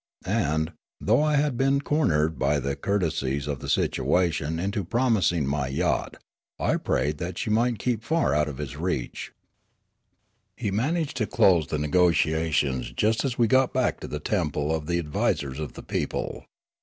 And, though I had been cornered by the courtesies of the situation into promising my yacht, I prayed that she might keep far out of his reach. He managed to close the negotiations just as we got back to the temple of the advisers of the people.